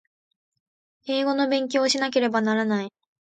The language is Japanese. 英語の勉強をしなければいけない